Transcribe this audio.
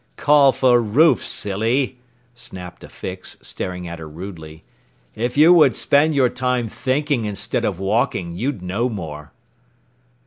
"Call for roofs, silly!" snapped a Fix, staring at her rudely. "If you would spend your time thinking instead of walking, you'd know more."